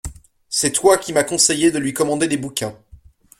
C’est toi qui m’as conseillé de lui commander des bouquins.